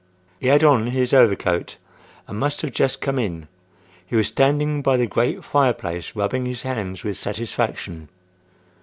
He had on his overcoat and must have just come in. He was standing by the great fire place rubbing his hands with satisfaction.